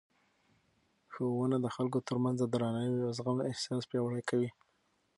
ښوونه د خلکو ترمنځ د درناوي او زغم احساس پیاوړی کوي.